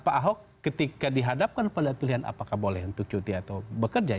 pak ahok ketika dihadapkan pada pilihan apakah boleh untuk cuti atau bekerja